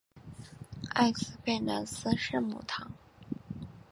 埃斯佩兰斯圣母堂。